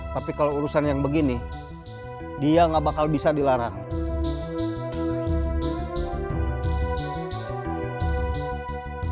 tapi kalau urusan yang begini dia nggak bakal bisa dilarang